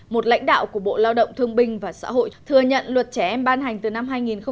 một lãnh đạo của bộ lao động thương binh và xã hội thừa nhận luật trẻ em ban hành từ năm hai nghìn một mươi